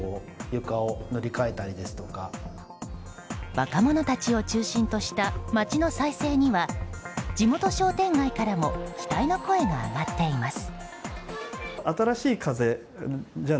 若者たちを中心とした街の再生には地元商店街からも期待の声が上がっています。